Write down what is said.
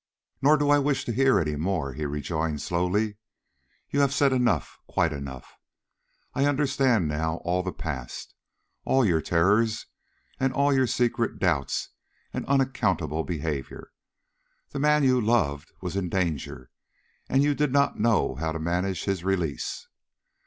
"Nor do I wish to hear any more," he rejoined, slowly. "You have said enough, quite enough. I understand now all the past all your terrors and all your secret doubts and unaccountable behavior. The man you loved was in danger, and you did not know how to manage his release.